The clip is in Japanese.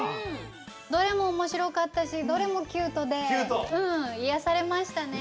どれもおもしろかったしどれもキュートでうんいやされましたね。